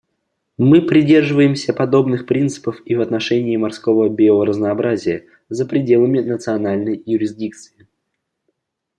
Мы придерживаемся подобных принципов и в отношении морского биоразнообразия за пределами национальной юрисдикции.